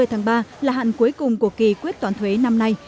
hai mươi tháng ba là hạn cuối cùng của kỳ quyết toán thuế năm nay